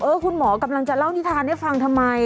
คุณหมอกำลังจะเล่านิทานให้ฟังทำไม